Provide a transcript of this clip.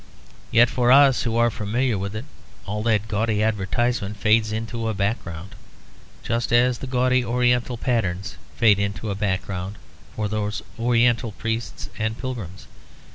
Yet for us who are familiar with it all that gaudy advertisement fades into a background, just as the gaudy oriental patterns fade into a background for those oriental priests and pilgrims.